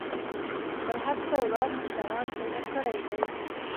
تر هر څه وړاندې توان پیدا کړی دی